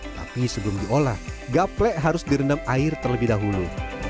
tapi sebelum diolah gaplek harus direndam air terlebih dahulu